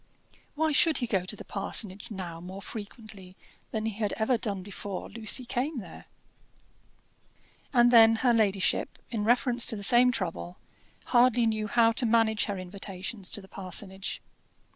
Why should he go to the parsonage now more frequently than he had ever done before Lucy came there? And then her ladyship, in reference to the same trouble, hardly knew how to manage her invitations to the parsonage.